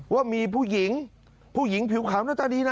ว่ามีผู้หญิงผู้หญิงผิวขาวหน้าตาดีนะ